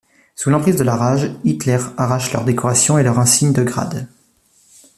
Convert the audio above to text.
Sous l'emprise de la rage, Hitler arrache leurs décorations et leurs insignes de grade.